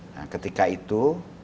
nah ketika itu